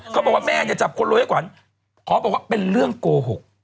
เขาบอกว่าแม่เนี่ยจับคนรวยให้ขวัญขอบอกว่าเป็นเรื่องโกหก